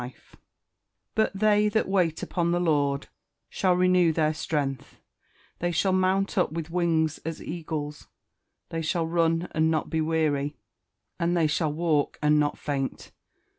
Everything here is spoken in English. [Verse: "But they that wait upon the Lord shall renew their strength; they shall mount up with wings as eagles; they shall run and not be weary; and they shall walk and not faint."